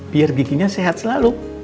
biar giginya sehat selalu